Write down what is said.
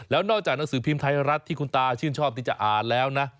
แล้วนอกจากหนังสือพิมพ์ไทยรัฐที่คุณตาชื่นชอบที่จะอ่านแล้วนะ